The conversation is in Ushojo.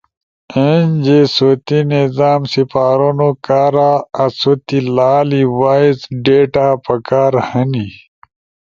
اینجے سوتی نظام سپارونو کارا آسو تی لالی وائس ڈیٹا پکار ہنی۔